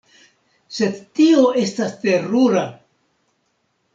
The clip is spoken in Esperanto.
Sed tio estas terura!